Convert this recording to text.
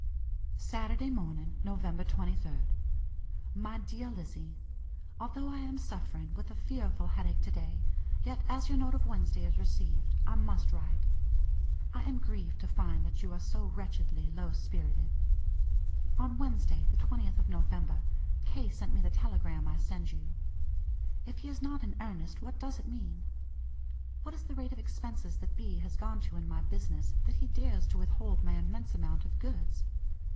"Saturday Morning, November 23d. "MY DEAR LIZZIE: Although I am suffering with a fearful headache to day, yet, as your note of Wednesday is received, I must write. I am grieved to find that you are so wretchedly low spirited. On Wednesday, the 20th of November, K. sent me the telegram I send you. If he is not in earnest, what does it mean? What is the rate of expenses that B. has gone to in my business, that he dares to withhold my immense amount of goods?